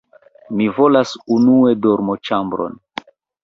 Mi volas unue dormoĉambron.